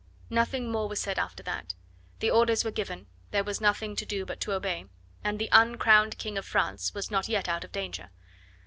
Nothing more was said after that. The orders were given, there was nothing to do but to obey; and the uncrowned King of France was not yet out of danger.